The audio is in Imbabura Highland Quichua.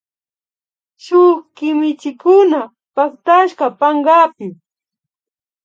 Shuk kimichikuna pactashka pankapi